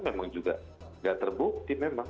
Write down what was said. memang juga tidak terbukti memang